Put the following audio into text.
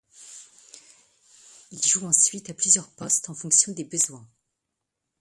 Il joue ensuite à plusieurs postes en fonction des besoins.